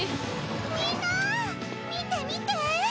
みんな見て見て！